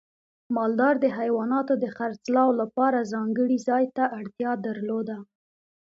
مالدار د حیواناتو د خرڅلاو لپاره ځانګړي ځای ته اړتیا درلوده.